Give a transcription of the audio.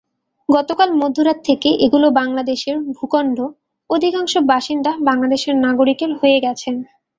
গতকাল মধ্যরাত থেকে এগুলো বাংলাদেশের ভূখণ্ড, অধিকাংশ বাসিন্দা বাংলাদেশের নাগরিক হয়ে গেছেন।